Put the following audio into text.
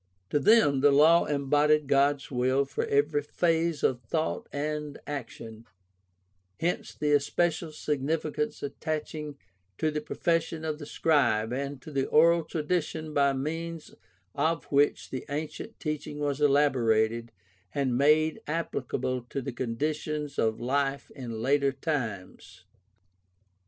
To them the Law embodied God's will for every phase of thought and action, hence the especial significance attaching to the pro fession of the scribe and to the oral tradition by means of which the ancient teaching was elaborated and made appli cable to the conditons of life in later times.